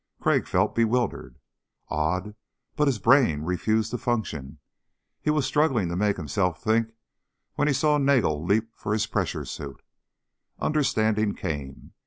Crag felt bewildered. Odd but his brain refused to function. He was struggling to make himself think when he saw Nagel leap for his pressure suit. Understanding came.